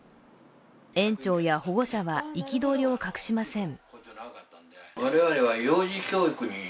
園長や保護者は憤りを隠しません。